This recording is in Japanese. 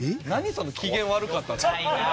その機嫌悪かったって。